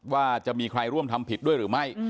ว่าจะมีใครร่วมทำผิดด้วยหรือไม่